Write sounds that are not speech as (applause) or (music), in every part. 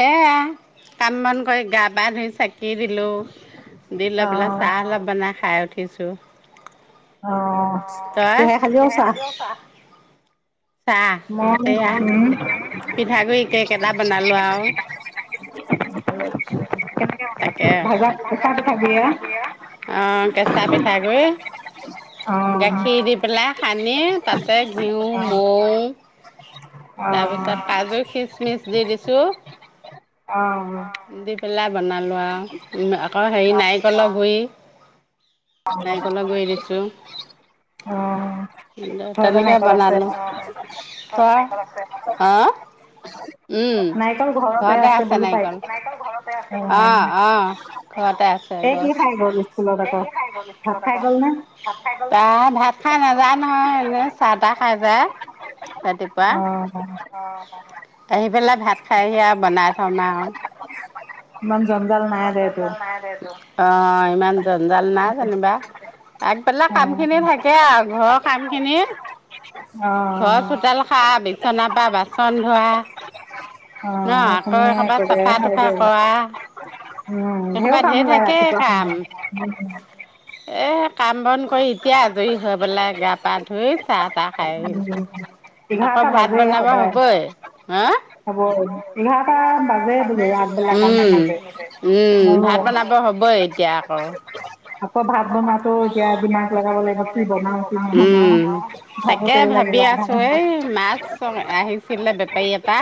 এইয়া কাম বন কৰে গা পা ধুই চাকি কি দিলোঁ, দি লৈ পেলাই চাহ অলপ বনাই খাই উঠিছোঁ। অহ, কিহেৰে খালি অ', চাহ? চাহ এইয়া পিঠাগুৰি কেক এটা বনালো আৰু। তাকে অহ, কেঁচা পিঠাগুৰি গাখীৰ দি পেলাই সানি তাতে ঘিউ হয়। তাৰপিছত কাজু খিচমিচ দি দিছো, দি পেলাই বনালোৱা আৰু হেৰি নাই কলৰ গুৰি অহ, ঘৰতে নাৰিকল আছে। অহ। (inaudible) আহ ', উম', ঘৰতে আছে নাৰিকল, নাৰিকল ঘৰতে আছে বোলে, অহ ', আহ ', ঘৰতে আছে গছ তাহ ভাত খাই নাযায় নহয় এনে চাহ তাহ খাই যে। ততি (unintelligible) বা আহি পেলে ভাত খাই সি আৰু বনাই থম আৰু ইমান জঞ্জাল নাই বাৰু দিয়া অহ ', ইমান জঞ্জাল নাই যেনিবা। আগবেলা কাম খিনি থাকে আৰু ঘৰৰ কাম খিনি। ঘৰ চোতাল সৰা বিচনাৰ পৰা বাচন ধোৱা ন আকৌ এইসোপা চাফা তাফা কৰা এসোপা ঢেৰ থাকেই কাম। এই কাম বন কৰি এতিয়া। দুই হৈবেলাই গাত পা ধুই চাহ তাহ খাই আহিছো আকৌ ভাত বনাব হ'বই হাহ ', হ'ব এঘাৰটা বাজে বোলো আগবেলা কাম খিনি কৰি আকৌ ভাত বনোৱাতটো এতিয়া দিমাক লগাব লাগিব কি বনাও কি নবনাও। তাকে ভাবি আছো এই মাছ আহিছিলে বেপাৰী। পা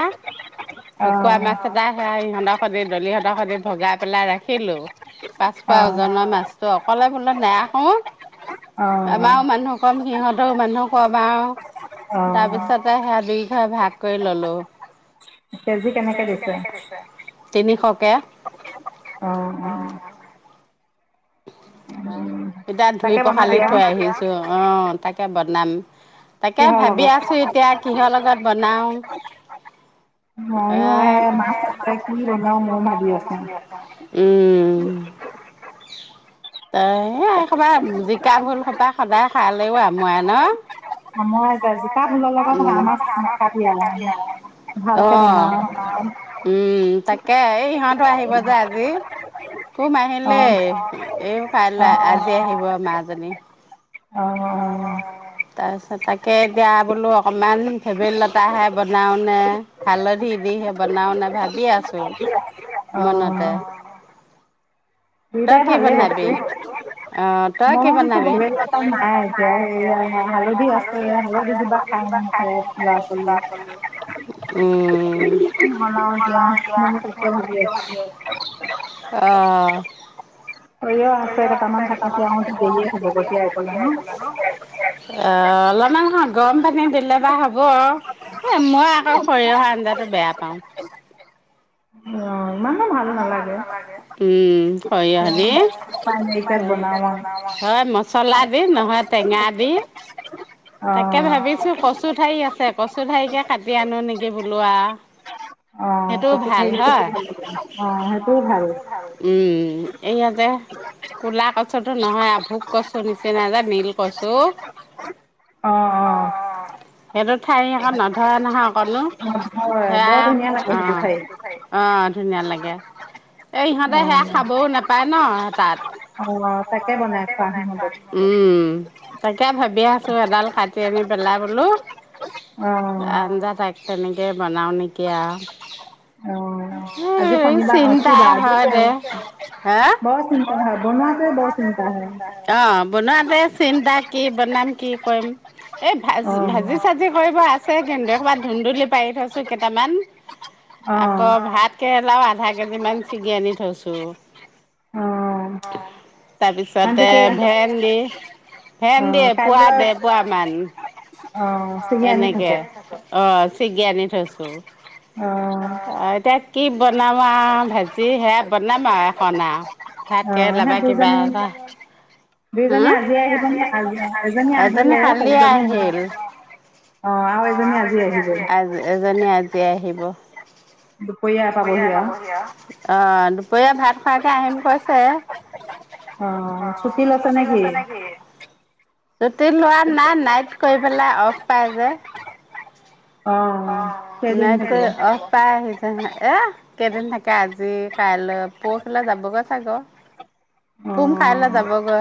ভকুৱা মাছ সোপা সেয়া সন্দা কৰি দল স ভগাই পেলাই ৰাখি থৈ দিলো পাচ পোৱা ওজনৰ মাছটো অকলে বোলত নাই আমাৰও মানুহ কম সিহঁতৰ মানুহ খোৱা বা তাৰপিছতে সে দি সেয়া ভাগ কৰি ললো কেজি কেনেকে দিছে তিনিশকে অ অ এতিয়া ধুই পখালি থৈ আহিছো আহ তাকে বনাম তাকে ভাবি আছো এতিয়া কিহৰ লগত বনাও এ উম উ (inaudible) ত এই একবাৰ জিকা ভুল সোপা সদায় খালেও আৰু মই ন উ আহ উম তাকে এই ইহঁতো আহিব যে আজি কম আহিলেই। এই কাইলৈ আজি আহিব মমাজনী। অঁ অঁ। তাৰপিছত তাকে এতিয়া বোলো অকণমান ভেবিল লতাহে বনাওঁনে হালধি দি হে। বনাও নে ভাবি আছো মনতে। তই কি বনাবি অঁ, তই কি বনাবি? উম। অঁ। সৰিয়হ আছে কেইটামান থাকে তেওঁ দেৰিয়ে হব গতিিয়াইফালে ন। অঁ অলপমানয় গৰম পানী দিলে বাাৰ হ'ব এ মই আকৌ খৰিৰ আঞ্জাটো বেয়া পাওঁ। মানে ভাল নালাগে। উম। সৰিয়হ দি হয় মচলা দি নহয়। তেঙাদি। তাকে ভাবিছো কচু ঠাযি আছে। কচু ঠাৰিকে কাটি আনো নেকি বুলোৱা। সেইটো ভাল হয়। অঁ সেইটো ভাল। উম এইয়া যে কলা কছুতো নহয় ভোক কছো নিচিনা যে নিল কচু। অঁ অঁ। সেইটো ঠাৰি আকৌ নধৰা নহয়। কনো সেয়া অঁ অঁ। ধুনীয়া লাগে। এ! এ! ইহঁতে সেয়া খাবওঁ নাপায়। ন তাত। উম তাকে ভাবিয়ে আছো। চ এডাল কাটি আনি পেলা বোলো। এধা থাকে। তেনেকে। বনাও এতিয়া। চিন্তা হয় দে হাঁ অঁ বনোৱা তে চিন্তা কি বনাম কি। (unintelligible) এই ভাজি, ভাজি চাজি কৰিব আছে। কিন্তু একবাৰ ধুন্দুলি পাৰি থৈছোঁ কেইটামান, আকৌ ভাত কেৰেলাও আধা ইমান ছিগি আনি থৈছো। তাৰপিছতে ভেন্দি, ভেন্দি এপুৱা দেৰ পুৱা মান। এনেকে, অঁ! চিঙি আনি থৈছোঁ। অঁ এতিয়া কি বনাম আৰু ভাজি, সেয়া বনাম আৰু এখন আৰু, ভাতকেৰেলা লাবা কিবা, হ'ম! এজনী কালিয়ে আহিল। এজনী আজি আহিব। অঁ দুপৰীয়া ভাত খোৱাকে আহিম কৈছে, (unintelligible) ছুটি লোৱা নাই, নাইট কৰি পেলাই অফ পাই যে, নাইট অফ পাই আহিছে যে। এ কেইদিন থাকে, আজি কাইলৈ, পৰহিলৈ যাবগৈ চাগে। চাগ চুম কাইলৈ যাবগৈ।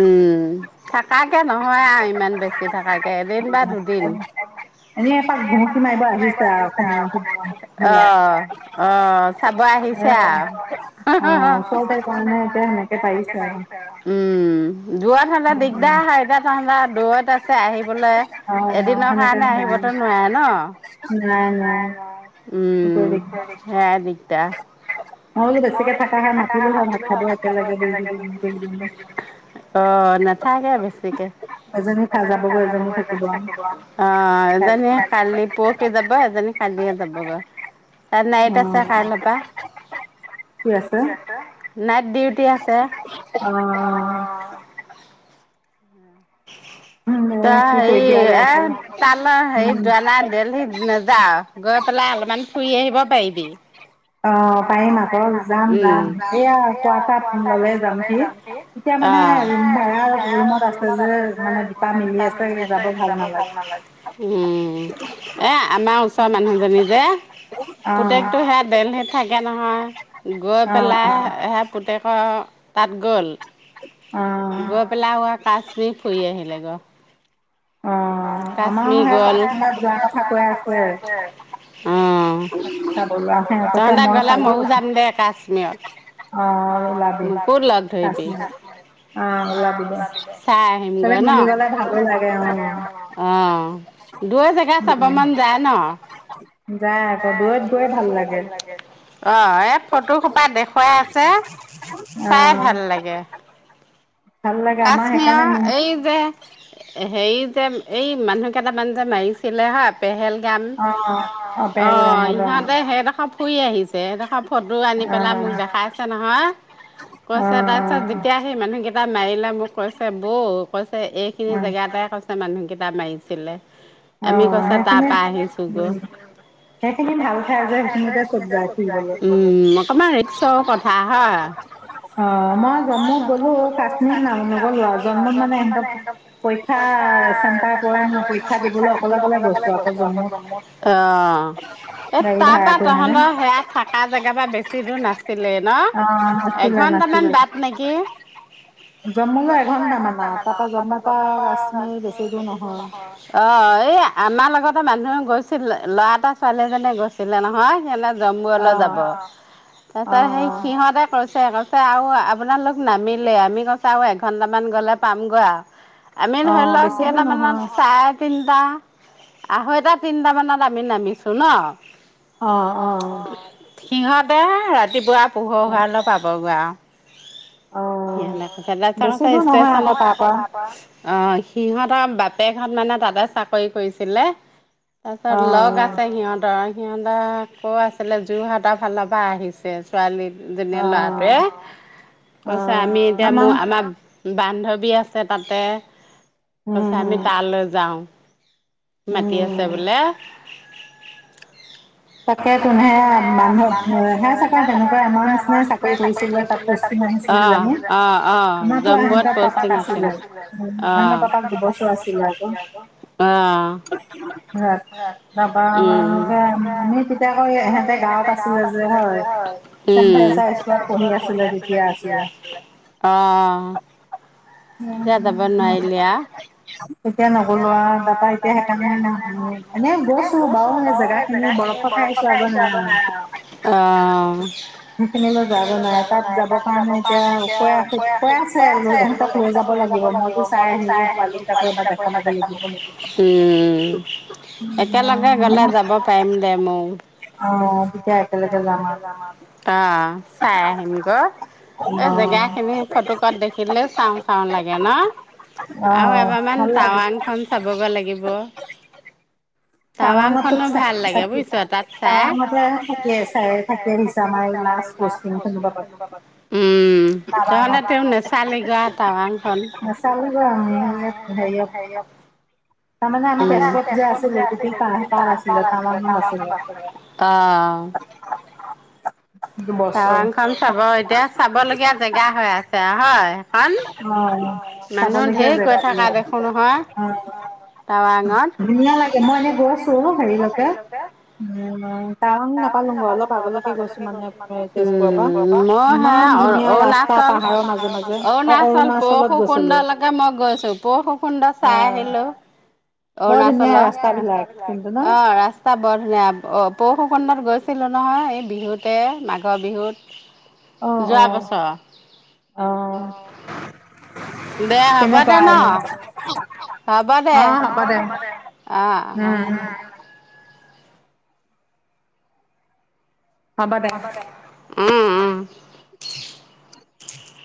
উম! থকা কৈ নহয় আৰু ই ইমান বেছি থাকাকে, এদিন বা দুদিন অ'হ অ' চাব আহিছে আৰু, উম! উম! দূৰত হঁলে দিগদাৰ হয়, এতিয়াহ দূৰত আছে আহিবলৈ, এদিনৰ কাৰণে আহিব (unintelligible) উম সেয়া আজি! অ' নাথাকে বেছিকে এজনীয়ে কালি পৰহি যাব, এজনী কালিয়ে যাবগে। তাত নাইট আছে, কাইল পৰা নাইট। অ'হ অ'হ। তই হেৰি এ তালৈ হেৰি যোৱা নাই, দেলহিত নাযাআ? গৈ পেলাই অলপমান ফুৰি আহিব পাৰিবি। অ পাৰিম আকৌ য এইয়া কোৱাাতাত ললে যাম সি অ ভাইমত আছে যে মানে দুটা মিলি আছে যাব ভাল নালাগে এ আমাৰ ওচ তই মানুহজনী যে, পুতেকটো সেয়া দেলহি থাকে নহয় গৈ পেলাই সে পুতেকৰ তাত গ'ল গৈ পেলাই হোৱা। পাঁচ দিন ফুৰি আহিলে গৈ কাশ্মীৰগল অ তহতে গলা ময়ো যাম দে কাশ্মীৰত মোকো লগ ধৰিবি চাই আহিমগৈ ন অ দুয় জেগা চাব মন যায় ন আকত গ ভাল লাগে আহ এই ফটো খোপা দেখুৱাই আছে চাই ভাল লাগে। কাশ্মীৰৰ, এই যে হেৰি যে এই মানুহকেইটামান যে মাৰিছিলে হাঁত পেহেল গান অঁ ইহঁতে সেইডোখৰ শুই আহিছে এ দেখ ফটো আনি পেলাই মোক দেখাইছে নহয় কৈছে তাৰপিছত যেতিয়া সেই মানুহ কেইটা আহীললৈ মোক কৈছে বৌ কৈছে এইখিনি জেগাতে কৈছে মানুহকেইটা মাৰিছিলে আমি কৈছো তাৰ পৰা আহিছো গৈ উম, অকমান ৰিক্সৰোঁল কথা হয়। কাশ্মীৰ নগলো আও জন্মোত মানে সিহঁতক পৰীক্ষা চেণ্টাৰ পৰে ন ' পৰীক্ষাৰ, অ 'এই তাৰপৰা তহঁতৰ সেয়া থকা জেগাৰ পৰা বেছি দূৰ নাছিলে ন 'এঘন্টামান বাট নেকি? জম্মুলৈ এঘন্টাামান আৰু তাৰ পৰা জম্মুৰ পৰা কাশ্মীৰ বেছি দূৰ নহয়। অ' এই আমাৰ লগতে মানুহ গৈছিল ল'ৰা এটা ছোৱালী এজনীয়ে গৈছিলে নহয় সিহঁতৰ জম্বুলৈ, যাব তাৰপিছত সেই সিহতে কৈছে। কৈছে আৰু আপোনালোক নামি। আমি কছাওঁ এঘণ্টামান গ'লে পামগৈ আৰু আমি ধৰি লওক কেইটামানত চাৰে তিনটা আঢ়ৈটা তিনটা মানত আমি নামিছো ন' অ' অ' সিহঁতে ৰাতিপুৱা পোহৰ হোৱালে পাবগৈ আৰু (unintelligible) অ' সিহঁতৰ বাপেকহঁত মানে তাতে চাকৰি কৰিছিলে। তাৰ পিছত লগ আছে সিহঁতৰ সিহঁত আকৌ আছিলে যোৰহাটৰ ফালৰ পৰা আহিছে ছোৱালী ছোৱালী- জনিয়ে লৰাটোৱে। তা আমি এতিয়া মোৰ আমাৰ বান্ধৱী আছে তাতে। কৈছে আমি তালৈ যাওঁ। মাতি আছে বোলে। তাকে তোহে মানুহ হে চাকৰ তেনেকুৱা আমাৰ নিচিনাই চাকৰি কৰিছিলে তাত পুষ্টি ন আহিছিল? অ - অ- অ জম্মুত পোষ্টিং আছিল অ -অ উ। আমি তেতিয়া কৈ ইহেঁতে গাঁৱত আছিলে যে হয় ভেন্সাৰ স্কুলত পঢ়ি আছিলে তেতিয়া। এতিয়া নগলো আৰু তাপা এতিয়া সেইকাৰণে এনে গৈছো বাৰু স জেগা খিনি বৰ। বৰফ খাই ন' নোৱাৰে তাত। একেলগে গলে যাব পাৰিম দে মোক। আহ চাই আহো গৈ। এই জেগা খিনি ফটোকত দেখিলে চাওঁ চাওঁ লাগে ন আৰু এবাৰান টাৱানখন চাবগৈ লাগিব। টাৱাং খনো ভাল লাগে বুজিছ তাত চাই। উম তেওঁ মানে নে চালি গোৱা টাৱাঙখন। তাৰমানানে আমি তেজপুৰ যে আছিলোঁ। (inaudible) অ'! টাৱাং খন চাব এতিয়া, চাব লগীয়া জেগা হৈ আছে হয়, সেইখন? অ'! মানুহ ধেই গৈ থকা দেখো নহয়। অ'! টাৱাঙত। মই এনে, গৈছোঁ হেৰিলৈকে, উম! টাৱাং নাপালো গৈ, অলপ আগলৈকে গৈছো মানে (inaudible) উম অৰুণাচল, অৰুণাচল পৰসুকুন্দলৈকে মই গৈছোঁ। পৰশুকুন্দ চাই আহিলোঁ। অৰুণাচল। (inaudible) অ'! ৰাস্তা বৰ ধুনীয়া! অ'! পৰশুকুন্দত গৈছিলোঁ। নহয়। এই বিহুতে, মাঘৰ বিহুত। অ অ, অ। দে হ'ব দে, ন'। হ'ব দে? অ'! হ'ব দে। অ'! ‌ অ'! উম! উম! হ'ব দে। উম! উম! উম! (unintelligible)